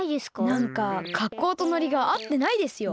なんかかっこうとノリがあってないですよ。